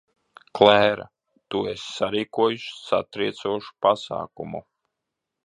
Klēra, tu esi sarīkojusi satriecošu pasākumu.